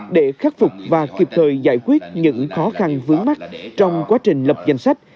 để khắc phục và kịp thời giải quyết những khó khăn vướng mắt trong quá trình lập danh sách